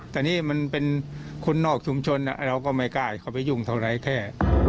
แต่นี่มันเป็นคนนอกชุมชนเราก็ไม่กล้าเข้าไปยุ่งเท่าไรแค่